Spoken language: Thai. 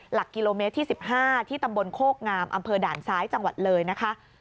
หลักกิโลเมตรที่๑๕ที่ตำบลโคกงามอำเภอด่านซ้ายจังหวัดเลยนะคะ